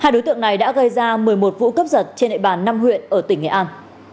hai đối tượng này đã gây ra một mươi một vụ cướp giật trên địa bàn năm huyện ở tỉnh nghệ an